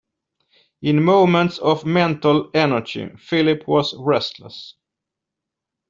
In moments of mental energy Philip was restless.